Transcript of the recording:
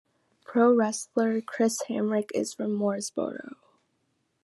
Pro wrestler Chris Hamrick is from Mooresboro.